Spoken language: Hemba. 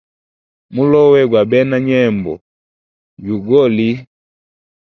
Mulowe gwa bena nyembo yugoli.